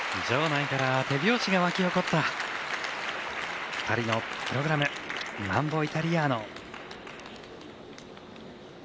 場内からは手拍子が沸き起こった２人のプログラム「マンボ・イタリアーノ」。